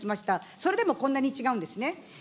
それでもこんなに違うんですね。